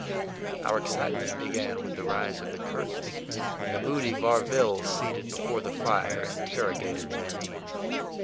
Our excitement began with the rise of the curtain, when the moody Varville, seated before the fire, interrogated Nanine.